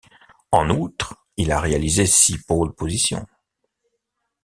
En outre, il a réalisé six pole position.